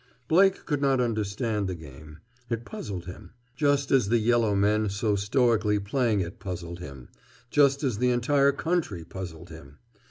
Blake could not understand the game. It puzzled him, just as the yellow men so stoically playing it puzzled him, just as the entire country puzzled him.